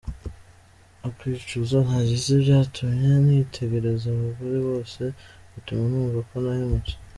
Ukwicuza nagize byatumye nitegereza abagore bose, bituma numva ko nahemutse.